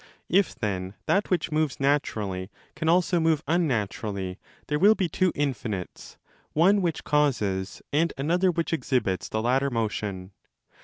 If then that which moves naturally can also move unnatur ally, there will be two infinites, one which causes, and another which exhibits the latter motion.